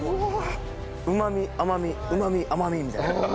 うまみ甘みうまみ甘みみたいな。